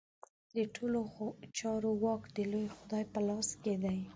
د ټولو چارو واک د لوی خدای په لاس کې دی.